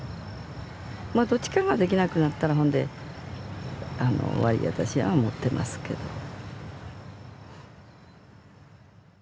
まあどっちかができなくなったらほんで終わりや私は思ってますけど。